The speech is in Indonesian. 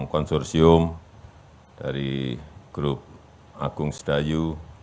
konsorsium dari grup agung sedayu